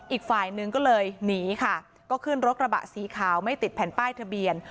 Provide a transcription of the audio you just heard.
อีกฝ่ายหนึ่งก็เลยหนีค่ะก็ขึ้นรถกระบะสีขาวไม่ติดแผ่นป้ายทะเบียน